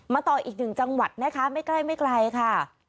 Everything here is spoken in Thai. มาต่ออีกหนึ่งจังหวัดนะคะไม่ใกล้ค่ะ